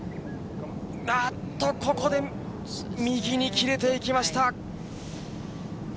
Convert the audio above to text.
あっと、ここで右に切れていきました。